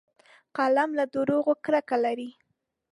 قلم له دروغو کرکه لري